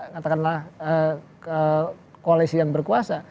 katakanlah koalisi yang berkuasa